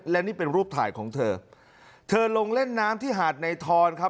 และนี่เป็นรูปถ่ายของเธอเธอลงเล่นน้ำที่หาดในทอนครับ